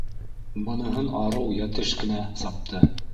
Быныһын арыу йәтеш кенә сапты.